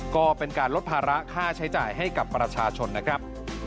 ก็เป็นการลดภาระค่าใช้จ่ายให้กับประชาชนนะครับ